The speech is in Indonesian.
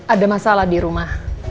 ada masalah di rumah